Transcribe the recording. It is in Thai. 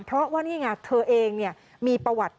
เพราะว่านี่ไงเธอเองมีประวัติ